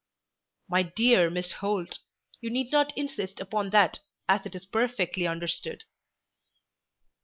"My dear Miss Holt, you need not insist upon that, as it is perfectly understood."